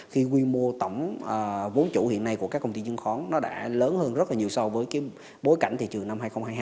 khi quy mô tổng vốn chủ hiện nay của các công ty chứng khoán nó đã lớn hơn rất là nhiều so với bối cảnh thị trường năm hai nghìn hai mươi hai